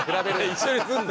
一緒にすんな。